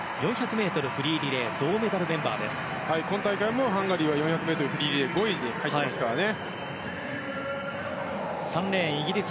フリーリレーの今大会もハンガリーは４００ｍフリーリレーで５位に入っていますからね。